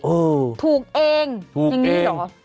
เออถูกเองอย่างนี้เหรอถูกเอง